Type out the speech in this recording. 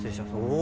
お！